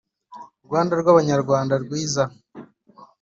rwanda rw’abanyarwanda rwiza